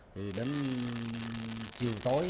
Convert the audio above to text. thì đến chiều tối